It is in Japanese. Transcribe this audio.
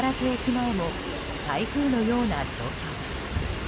前も台風のような状況です。